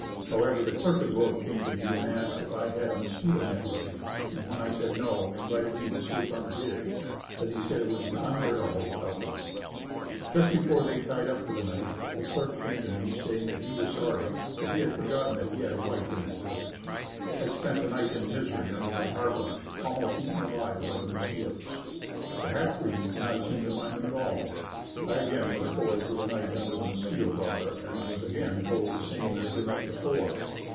However, the clerk of the boat came to me and asked me if I had a mosquito net with me and when I said, "No" invited me to sleep under his as he said it would be unbearable without one. Just before they tied up for the night the clerk came to me saying that he was sorry, but he had forgotten that he had a wife in this village. I spent the night in misery under my tarpaulin, almost eaten alive by the mosquitoes. The half breeds did not seem to mind them at all. I again looked forward to a night under the mosquito bar and was again told the same as the night before.